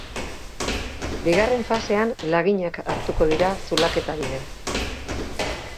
Bigarren fasean laginak hartuko dira zulaketa bidez.